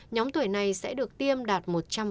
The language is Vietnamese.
nhóm tuổi này sẽ được tiêm đạt một trăm linh